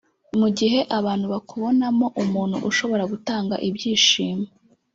Mu gihe abantu bakubonamo umuntu ushobora gutanga ibyishimo